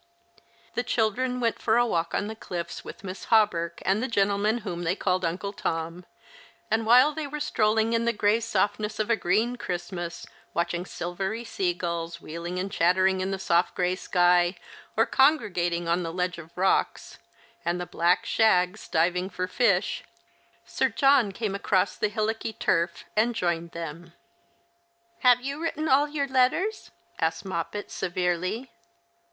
The children went for a walk on the cliffs with Miss Hawberk and the gentleman whom they called Uncle T(uu, and while they were strolling in the grey softness of a green Christmas, watching silvery sea gulls wheeling and chattering in the soft grey sky, or congregating on a ledo e of rocks, and the black shags diving for fish, Sir John came across the hillocky turf and joined them. " Have you written all your letters ?" asked jMoppet, severely.